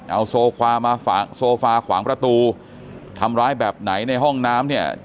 เอาโซฟามาฝากโซฟาขวางประตูทำร้ายแบบไหนในห้องน้ำเนี่ย